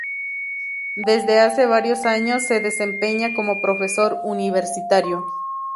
Desde hace varios años se desempeña como profesor universitario.